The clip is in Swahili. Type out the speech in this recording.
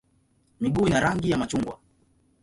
Miguu ina rangi ya machungwa.